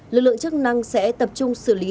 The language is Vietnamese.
lực lượng chức năng sẽ tập trung xử lý